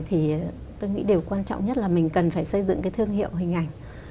thì tôi nghĩ điều quan trọng nhất là mình cần phải xây dựng cái thương hiệu hình ảnh